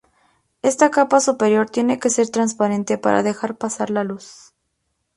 Esta capa superior tiene que ser transparente para dejar pasar la luz.